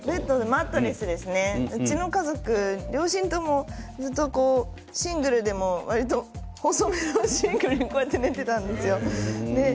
マットレスですねうちの家族、両親ともシングルでも細めのシングルに寝ていたんですよ。